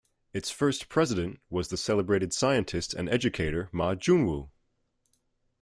Its first president was the celebrated scientist and educator Ma Junwu.